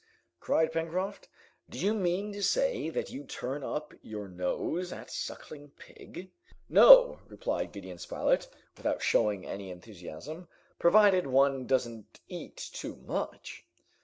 cried Pencroft. "Do you mean to say that you turn up your nose at suckling pig?' "No," replied Gideon Spilett, without showing any enthusiasm; "provided one doesn't eat too much."